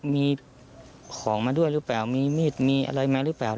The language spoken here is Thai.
มีของมาด้วยหรือเปล่ามีมีดมีอะไรมาหรือเปล่า